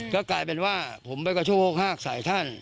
ก็กลายเป็นว่าผมไปกระโชคฮากใส่ท่าน